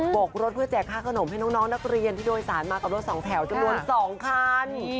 กรถเพื่อแจกค่าขนมให้น้องนักเรียนที่โดยสารมากับรถสองแถวจำนวน๒คัน